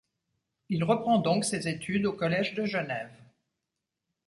Il reprend donc ses études au Collège de Genève.